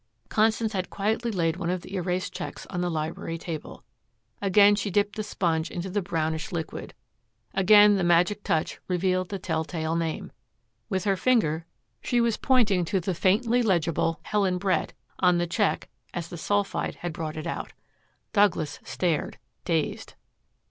Constance had quietly laid one of the erased checks on the library table. Again she dipped the sponge into the brownish liquid. Again the magic touch revealed the telltale name. With her finger she was pointing to the faintly legible "Helen Brett" on the check as the sulphide had brought it out. Douglas stared dazed.